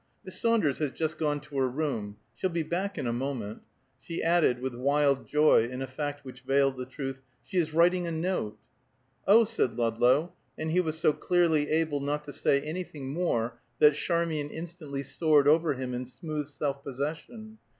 "Miss Saunders has just gone to her room; she'll be back in a moment." She added, with wild joy in a fact which veiled the truth, "She is writing a note." "Oh!" said Ludlow, and he was so clearly able not to say anything more that Charmian instantly soared over him in smooth self possession.